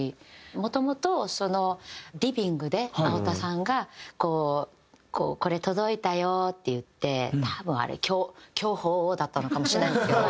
もともとリビングで青田さんが「これ届いたよ」って言って多分あれ巨峰だったのかもしれないんですけど。